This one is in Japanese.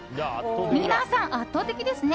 皆さん、圧倒的ですね。